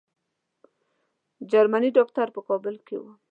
جرمني ډاکټر په کابل کې وو.